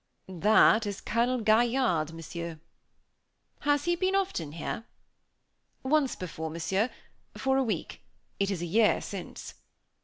"That is Colonel Gaillarde, Monsieur." "Has he been often here?" "Once before, Monsieur, for a week; it is a year since."